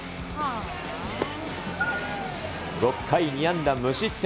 ６回２安打無失点。